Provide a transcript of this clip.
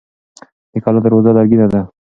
د کلا دروازه لرګینه ده.